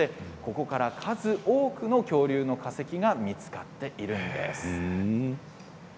ここから数多くの恐竜の化石が見つかっているんです。